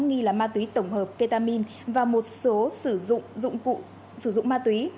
nghi lẻ ma túy tổng hợp ketamin và một số dụng cụ sử dụng ma túy